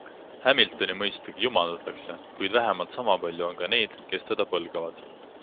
Hamiltoni mõistagi jumaldatakse, kuid vähemalt sama palju on ka neid, kes teda põlgavad.